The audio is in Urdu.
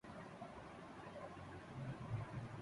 میشا شفیع کے جنسی ہراساں کرنے کے الزامات پر صوبائی محتسب کا فیصلہ